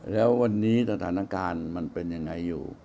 แล้ววันนี้สถานการณ์มันเป็นยังไงอยู่